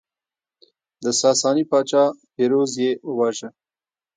د ساساني پاچا پیروز یې وواژه